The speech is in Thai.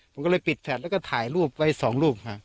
ผมก็เลยปิดแชทแล้วก็ถ่ายรูปไว้๒รูปค่ะ